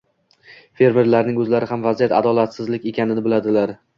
fermerlarning o‘zlari ham vaziyat adolatsizlik ekanini biladilar;